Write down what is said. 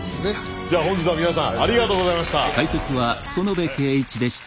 じゃあ本日は皆さんありがとうございました。